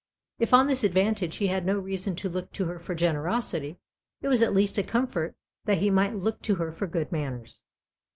If on this advantage he had no reason to look to her for generosity, it was at least a comfort that he might look to her for good manners.